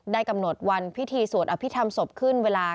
กำหนดวันพิธีสวดอภิษฐรรมศพขึ้นเวลา